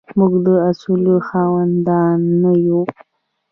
موږ د اصولو خاوندان نه یو.